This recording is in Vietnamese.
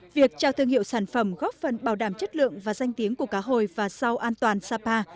việc trao thương hiệu sản phẩm góp phần bảo đảm chất lượng và danh tiếng của cá hồi và rau an toàn sapa